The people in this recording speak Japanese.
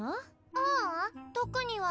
ううん特には。